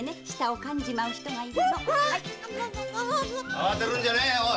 あわてるんじゃねえよおい！